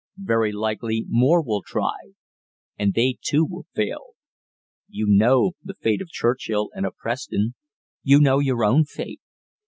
Very likely more will try, and they too will fail. You know the fate of Churchill and of Preston. You know your own fate.